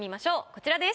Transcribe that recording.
こちらです。